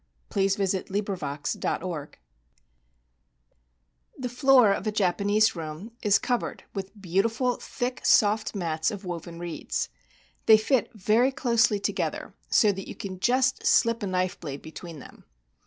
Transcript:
Coogk' Coogk' CHIN CHIN KOBAKAMA THE floor of a Japanese room is covered with beautiful thick soft mats of woven reeds. They fit very closely together, so that you can just slip a knife blade between them.